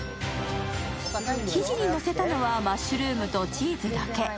生地にのせたのはマッシュルームとチーズだけ。